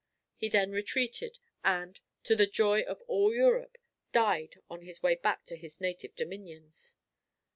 He then retreated, and, to the joy of all Europe, died on his way back to his native dominions.